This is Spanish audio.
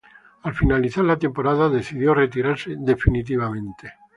Al finalizar la temporada, decidió retirarse definitivamente.